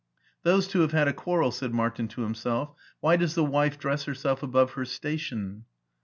"Those two have had a quarrel," said Martin to himself; " why does the wife dress herself above her station